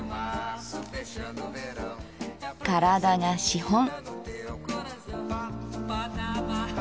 体が資本。